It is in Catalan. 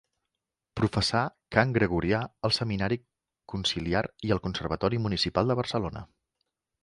Professà cant gregorià al seminari conciliar i al Conservatori Municipal de Barcelona.